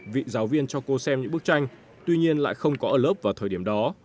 vị giáo viên cho cô xem những bức tranh tuy nhiên lại không có ở lớp vào thời điểm đó